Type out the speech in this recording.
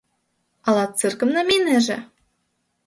Ала циркым намийынеже?